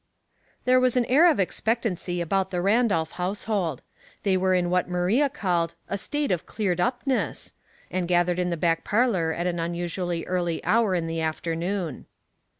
ffi HERE was an air of expectancy about the Randolph household ; they were in what Maria called "a state of cleared upness," and gathered in the back par lor at an unusually early hour in the afternoon.